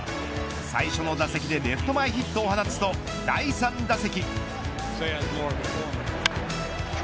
最初の打席でレフト前ヒットを放つと第３打席。